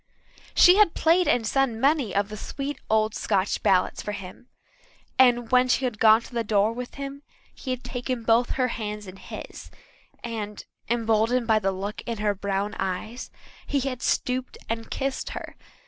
She had played and sung many of the sweet old Scotch ballads for him, and when she had gone to the door with him he had taken both her hands in his and, emboldened by the look in her brown eyes, he had stooped and kissed her.